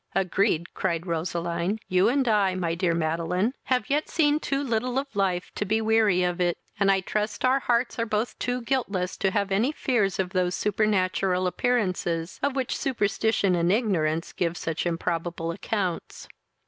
"Agreed, (cried Roseline;) you and I, my dear Madeline, have yet seen too little of life to be weary of it, and I trust our hearts are both too guiltless to have any fears of those supernatural appearances, of which superstition and ignorance give such improbable accounts."